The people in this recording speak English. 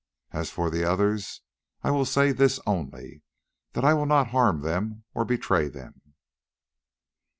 As for the others I will say this only, that I will not harm them or betray them.